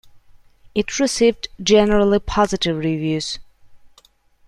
It received generally positive reviews.